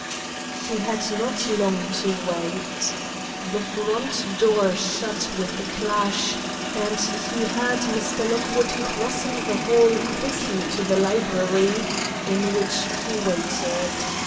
He had not long to wait. The front door shut with a clash, and he heard Mr. Lockwood crossing the hall quickly to the library, in which he waited.